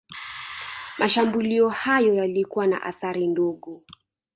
Mashambulio hayo yalikuwa na athari ndogo